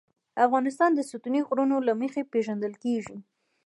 افغانستان د ستوني غرونه له مخې پېژندل کېږي.